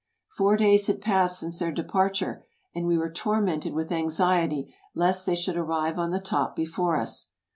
Four days had passed since their departure, and we were tormented with anxiety lest they should arrive on the top before us.